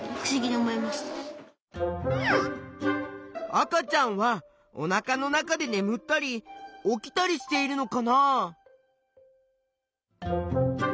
赤ちゃんはおなかの中でねむったり起きたりしているのかな？